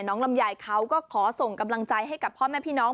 ลำไยเขาก็ขอส่งกำลังใจให้กับพ่อแม่พี่น้อง